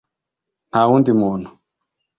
nta wundi muntu